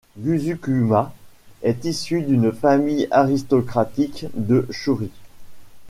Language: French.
Gusukuma est issu d'une famille aristocratique de Shuri.